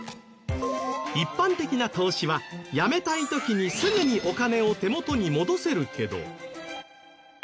一般的な投資はやめたい時にすぐにお金を手元に戻せるけど。